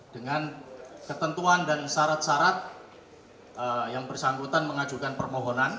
dengan ketentuan dan syarat syarat yang bersangkutan mengajukan permohonan